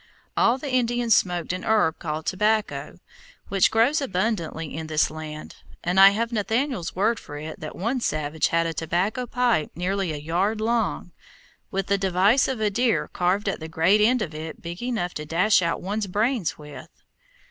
All the Indians smoked an herb called tobacco, which grows abundantly in this land, and I have Nathaniel's word for it that one savage had a tobacco pipe nearly a yard long, with the device of a deer carved at the great end of it big enough to dash out one's brains with.